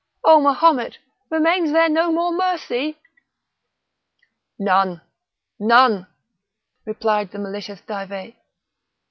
O Mahomet! remains there no more mercy?" "None! none!" replied the malicious Dive.